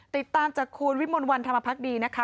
ติดตามจากคุณวิมลวันธรรมพักดีนะคะ